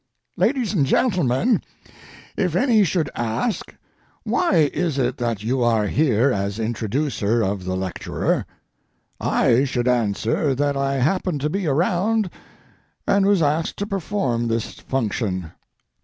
LADIES AND GENTLEMEN, if any should ask, Why is it that you are here as introducer of the lecturer? I should answer that I happened to be around and was asked to perform this function.